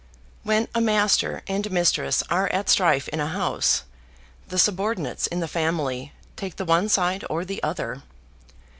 When a master and mistress are at strife in a house, the subordinates in the family take the one side or the other.